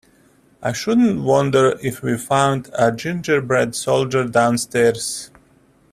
I shouldn't wonder if we found a ginger-bread soldier downstairs.